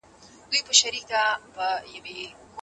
کنفوسوس په ختيځ کي مهمې خبري کړي دي.